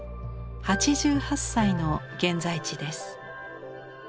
８８歳の現在地です。